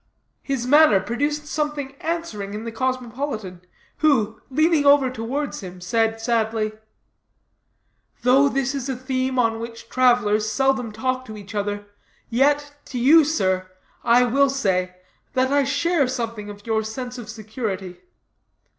His manner produced something answering to it in the cosmopolitan, who, leaning over towards him, said sadly: "Though this is a theme on which travelers seldom talk to each other, yet, to you, sir, I will say, that I share something of your sense of security.